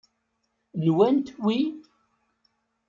Nwent wi?